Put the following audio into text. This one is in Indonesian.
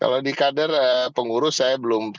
kalau di kader pengurus saya belum